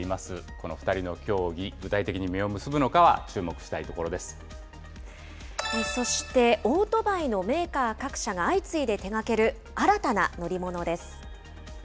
この２人の協議、具体的に実を結そして、オートバイのメーカー各社が相次いで手がける、新たな乗り物です。